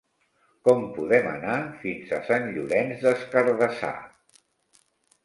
Com podem anar fins a Sant Llorenç des Cardassar?